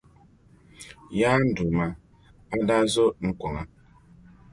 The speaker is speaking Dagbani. Yaa n Duuma, a daa zo n kuŋa.